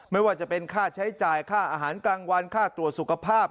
ไม่ว่าจะเป็นค่าใช้จ่ายค่าอาหารกลางวันค่าตรวจสุขภาพ